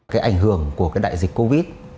cái ảnh hưởng của cái đại dịch covid